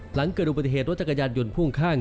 หลังเกิดอุบัติเหตุรถจักรยานยนต์พ่วงข้าง